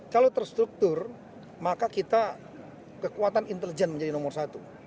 kalau terstruktur maka kita kekuatan intelijen menjadi nomor satu